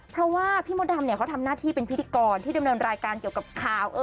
เพราะว่าพี่มดดำเขาทำหน้าที่เป็นพิธีกรที่ดำเนินรายการเกี่ยวกับข่าว